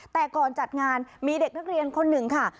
แต่ก่อนจัดงานมีเด็กนักเรียนคนหนึ่งค่ะ